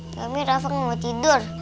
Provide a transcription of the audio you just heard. iya ming rafa gak mau tidur